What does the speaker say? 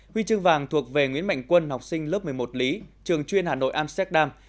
huy chương vàng thuộc về nguyễn mạnh quân học sinh lớp một mươi một lý trường chuyên hà nội amsterdam